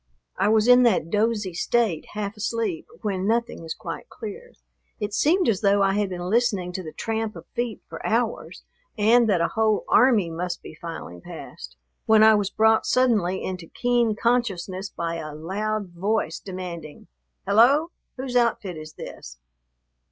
I was in that dozy state, half asleep, when nothing is quite clear. It seemed as though I had been listening to the tramp of feet for hours and that a whole army must be filing past, when I was brought suddenly into keen consciousness by a loud voice demanding, "Hello! Whose outfit is this?"